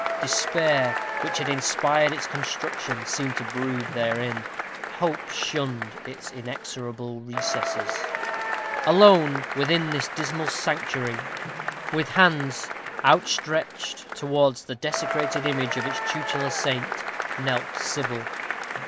Despair, which had inspired its construction, seemed to brood therein. Hope shunned its inexorable recesses. Alone, within this dismal sanctuary, with hands outstretched towards the desecrated image of its tutelar saint, knelt Sybil.